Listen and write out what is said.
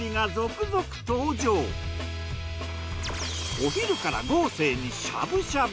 お昼から豪勢にしゃぶしゃぶ！